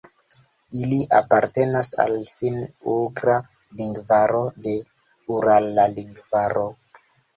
Ili apartenas al Finn-ugra lingvaro de Urala lingvaro.